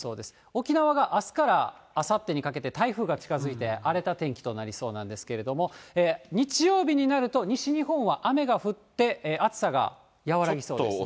沖縄があすからあさってにかけて台風が近づいて、荒れた天気となりそうなんですけれども、日曜日になると、西日本は雨が降って、暑さが和らぎそうです。